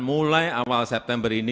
mulai awal september ini